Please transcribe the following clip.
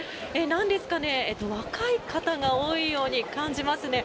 なんですかね若い方が多いように感じますね。